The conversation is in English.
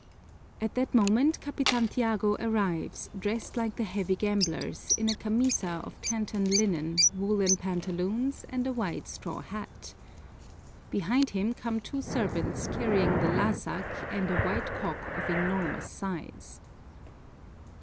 At that moment Capitan Tiago arrives, dressed like the heavy gamblers, in a camisa of Canton linen, woolen pantaloons, and a wide straw hat. Behind him come two servants carrying the lásak and a white cock of enormous size.